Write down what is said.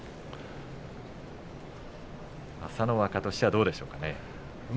朝乃若としてはどうでしょうか。